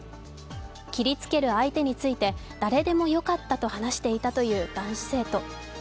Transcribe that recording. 切りつける相手について、誰でもよかったと話していたという男子生徒。